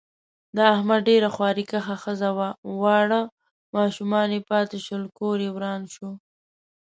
د احمد ډېره خواریکښه ښځه وه، واړه ماشومان یې پاتې شول. کوریې وران شو.